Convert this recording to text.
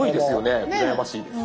羨ましいです。